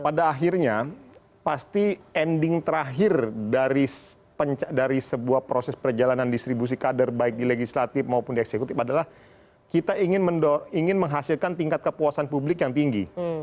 pada akhirnya pasti ending terakhir dari sebuah proses perjalanan distribusi kader baik di legislatif maupun di eksekutif adalah kita ingin menghasilkan tingkat kepuasan publik yang tinggi